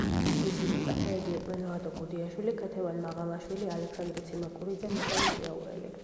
მისი მოწაფეები იყვნენ: ლადო გუდიაშვილი, ქეთევან მაღალაშვილი, ალექსანდრე ციმაკურიძე, მიხეილ ჭიაურელი.